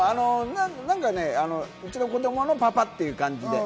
うちの子供のパパっていう感じで。